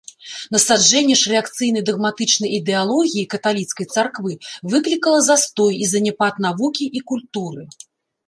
Насаджэнне ж рэакцыйнай дагматычнай ідэалогіі каталіцкай царквы выклікала застой і заняпад навукі і культуры.